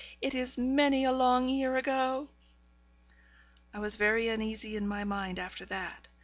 It is many a long year ago ' I was very uneasy in my mind after that.